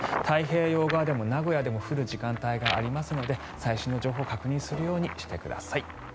太平洋側でも名古屋でも降る時間帯がありますので最新の情報を確認するようにしてください。